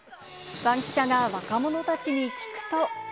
バンキシャが若者たちに聞くと。